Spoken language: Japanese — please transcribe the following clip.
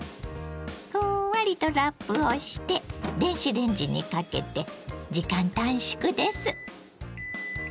ふんわりとラップをして電子レンジにかけて時間短縮です。